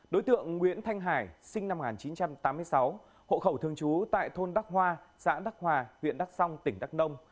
đối tượng nguyễn thanh hải sinh năm một nghìn chín trăm tám mươi sáu hộ khẩu thường trú tại thôn đắc hoa xã đắc hòa huyện đắk song tỉnh đắk nông